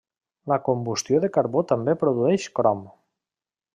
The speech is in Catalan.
La combustió de carbó també produeix crom.